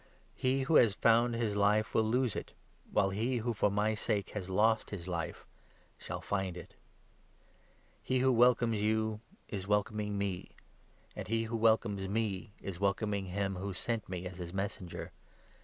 He who has found his life will lose it, while he who, for my sake, has lost his life shall find it. He who welcomes you is welcoming me ; and he who welcomes me is welcoming him who sent me as his Messenger.